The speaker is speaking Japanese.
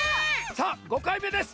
さあ５かいめです。